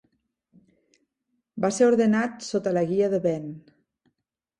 Va ser ordenat sota la guia de Ven.